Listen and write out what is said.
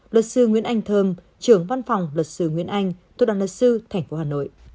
luật sư nguyễn anh thơm trưởng văn phòng luật sư nguyễn anh thuộc đoàn luật sư tp hcm